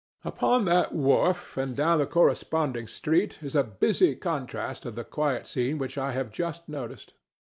Upon that wharf and down the corresponding street is a busy contrast to the quiet scene which I have just noticed.